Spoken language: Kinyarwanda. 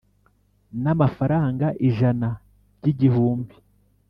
n'amafaranga ijana ry'igihumbi